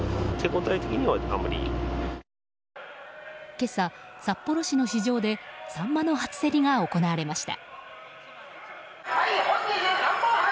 今朝、札幌市の市場でサンマの初競りが行われました。